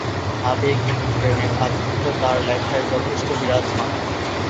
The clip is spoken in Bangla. আবেগ এবং প্রেমের আধিক্য তার লেখায় যথেষ্ট বিরাজমান।